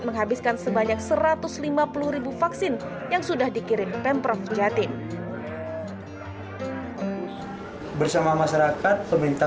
menghabiskan sebanyak satu ratus lima puluh vaksin yang sudah dikirim pemprov jatim bersama masyarakat pemerintah